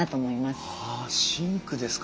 ああシンクですか。